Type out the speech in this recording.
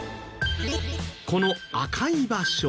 この赤い場所。